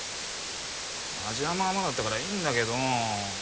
味はまあまあだったからいいんだけど。